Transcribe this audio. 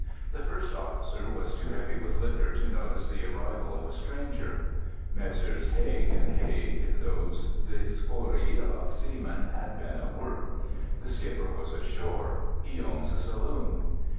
The first officer was too heavy with liquor to notice the arrival of a stranger. Messrs. Haig and Haig, those Dioscuri of seamen, had been at work. The skipper was ashore. He owns a saloon.